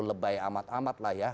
lebay amat amat lah ya